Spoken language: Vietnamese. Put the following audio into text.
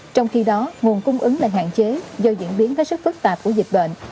trong khi đó nguồn cung ứng lại hạn chế do diễn biến hết sức phức tạp của dịch bệnh